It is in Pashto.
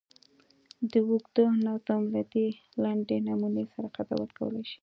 د اوږده نظم له دې لنډې نمونې سړی قضاوت کولای شي.